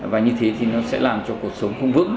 và như thế thì nó sẽ làm cho cuộc sống không vững